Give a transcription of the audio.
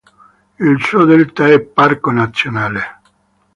Il suo delta è parco nazionale.